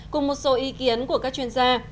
cùng một số ý kiến của các chuyên gia